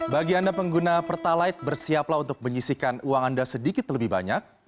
bagi anda pengguna pertalite bersiaplah untuk menyisikan uang anda sedikit lebih banyak